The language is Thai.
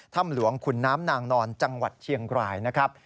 ถ้ำหลวงขุนน้ำนางนอนจังหวัดเชียงรายนะครับ